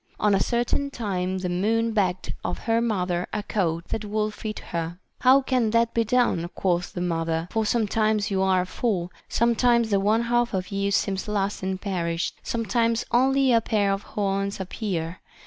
On a certain time the moon begged of her mother a coat that would fit her. How can that be done, quoth the mother, for sometimes you are full, sometimes the one half of you seems lost and perished, sometimes only a pair of horns appear.